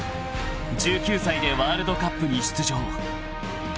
［１９歳でワールドカップに出場］